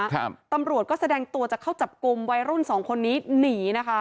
ครับตำรวจก็แสดงตัวจะเข้าจับกลุ่มวัยรุ่นสองคนนี้หนีนะคะ